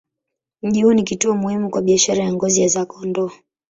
Mji huu ni kituo muhimu kwa biashara ya ngozi za kondoo.